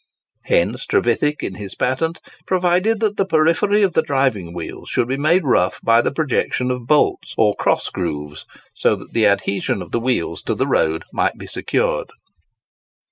Hence Trevithick, in his patent, provided that the periphery of the driving wheels should be made rough by the projection of bolts or cross grooves, so that the adhesion of the wheels to the road might be secured.